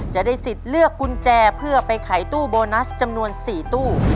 จะได้สิทธิ์เลือกกุญแจเพื่อไปขายตู้โบนัสจำนวน๔ตู้